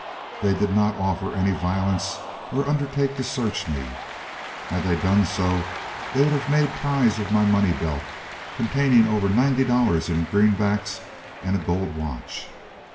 They did not offer any violence or undertake to search me. Had they done so, they would have made prize of my money belt, containing over $90 in greenbacks and a gold watch.